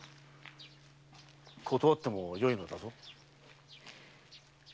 断ってもよいのだぞ。